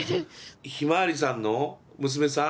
ひまわりさんの娘さん？